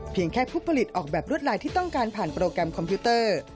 แค่ผู้ผลิตออกแบบรวดลายที่ต้องการผ่านโปรแกรมคอมพิวเตอร์